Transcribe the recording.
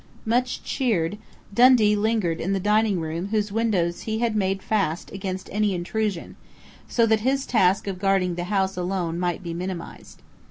Much cheered, Dundee lingered in the dining room whose windows he had made fast against any intrusion, so that his task of guarding the house alone might be minimized.